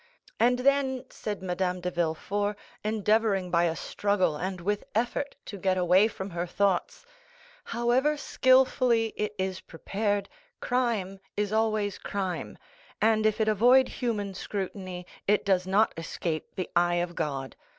"And then," said Madame de Villefort, endeavoring by a struggle, and with effort, to get away from her thoughts, "however skilfully it is prepared, crime is always crime, and if it avoid human scrutiny, it does not escape the eye of God.